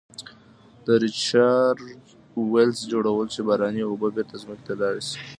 د Recharge wells جوړول چې باراني اوبه بیرته ځمکې ته لاړې شي.